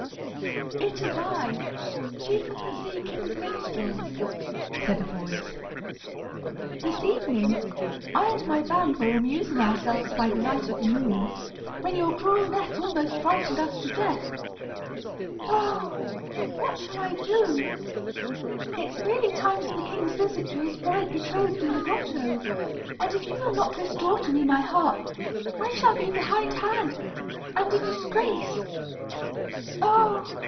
"It is I chief of the sea king's minstrels," said a voice. "This evening, I and my band were amusing ourselves by the light of the moon, when your cruel net almost frightened us to death. Oh! what shall I do? It's nearly time for the king's visit to his bride betrothed in the grotto; and if you will not restore to me my harp, I shall be behind hand, and in disgrace. Oh!